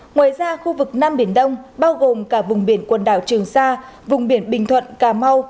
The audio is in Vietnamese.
ngoài ra khu vực nam biển đông bao gồm cả vùng biển quần đảo trường sa vùng biển bình thuận cà mau